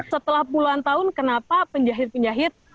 setelah puluhan tahun kenapa penjahit penjahit